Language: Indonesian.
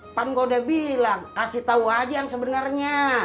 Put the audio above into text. papan gua udah bilang kasih tau aja yang sebenarnya